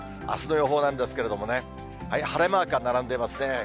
あすの予報なんですけれどもね、晴れマークが並んでいますね。